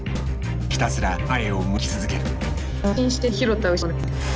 ひたすら前を向き続ける。